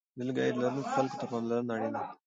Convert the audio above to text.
د لږ عاید لرونکو خلکو ته پاملرنه اړینه ده.